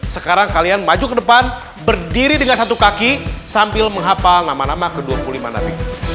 sekarang kalian maju ke depan berdiri dengan satu kaki sambil menghapal nama nama ke dua puluh lima nanti